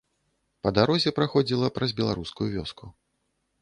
Па дарозе праходзіла праз беларускую вёску.